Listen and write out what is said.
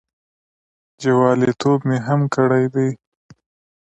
جوالیتوب مې هم کړی دی.